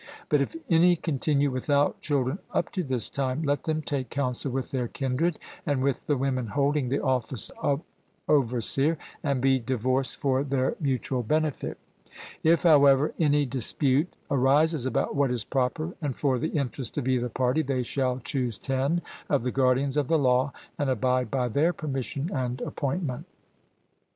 But if any continue without children up to this time, let them take counsel with their kindred and with the women holding the office of overseer and be divorced for their mutual benefit. If, however, any dispute arises about what is proper and for the interest of either party, they shall choose ten of the guardians of the law and abide by their permission and appointment.